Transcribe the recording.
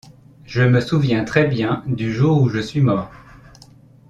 Je me souviens très bien du jour où je suis mort.